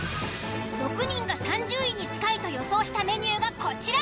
６人が３０位に近いと予想したメニューがこちら。